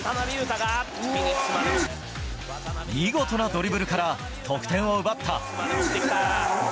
見事なドリブルから得点を奪った。